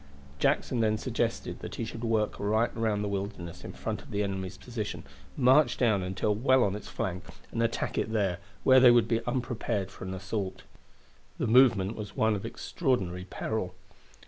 Jackson then suggested that he should work right round the Wilderness in front of the enemy's position, march down until well on its flank, and attack it there, where they would be unprepared for an assault. The movement was one of extraordinary peril.